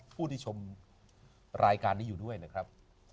ผู้ที่ชมรายการนี้อยู่ด้วยนะครับ